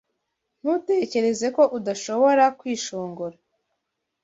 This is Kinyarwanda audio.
Ntutekereze ko udashobora kwishongora